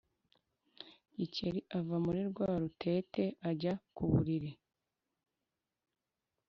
Gikeli ava muri rwa rutete ajya ku buriri.